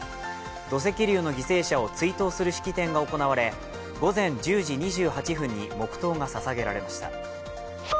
土石流の犠牲者を追悼する式典が行われ午前１０時２８分に黙とうがささげられました。